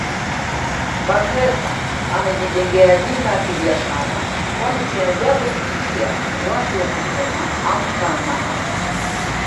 Bakhresa amejijengea jina kibiashara kwani si ajabu kusikia watu wakisema Amka na Azam